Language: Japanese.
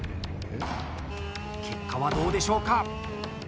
結果は、どうでしょうか。